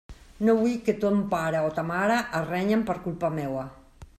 No vull que ton pare o ta mare et renyen per culpa meua.